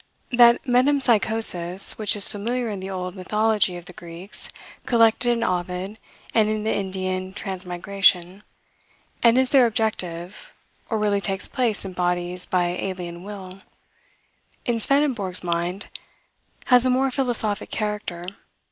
That metempsychosis which is familiar in the old mythology of the Greeks, collected in Ovid, and in the Indian Transmigration, and is there objective, or really takes place in bodies by alien will, in Swedenborg's mind, has a more philosophic character.